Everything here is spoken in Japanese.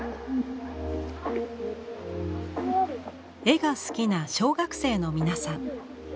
絵が好きな小学生の皆さん。